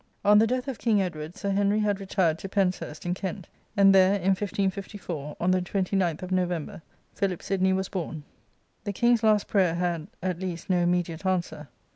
On the death of King Edward Sir Henry had retired to Penshurst, in Kent, and there, in 1554, on the 29th of November, Philip Sidney was bom. The King's last prayer had, at least, no immediate answer.